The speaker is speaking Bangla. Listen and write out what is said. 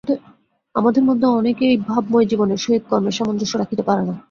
আমাদের মধ্যে অনেকেই ভাবময় জীবনের সহিত কর্মের সামঞ্জস্য রাখিতে পারে না।